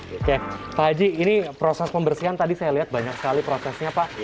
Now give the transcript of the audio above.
oke pak haji ini proses pembersihan tadi saya lihat banyak sekali prosesnya pak